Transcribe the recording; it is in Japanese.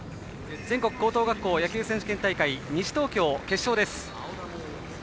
全国高等学校野球選手権大会西東京決勝です。